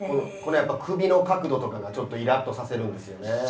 この首の角度とかがちょっとイラッとさせるんですよね。